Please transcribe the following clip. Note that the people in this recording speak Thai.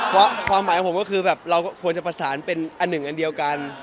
เพราะความหมายของผมก็คือแบบเราควรจะประสานเป็นอันหนึ่งอันเดียวกัน